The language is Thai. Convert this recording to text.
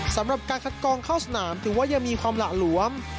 สำหรับการคัดกองเข้าสนามถือว่ายังมีความหละหลวม